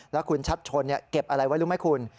แล้วคุณชัดชนเก็บอะไรไว้รู้ไหมคุณ